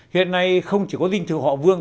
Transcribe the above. hiện nay không chỉ có vinh thự họ vương